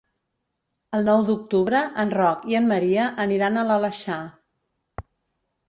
El nou d'octubre en Roc i en Maria aniran a l'Aleixar.